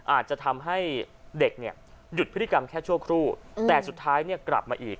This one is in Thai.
อาจจะทำให้เด็กเนี่ยหยุดพฤติกรรมแค่ชั่วครู่แต่สุดท้ายเนี่ยกลับมาอีก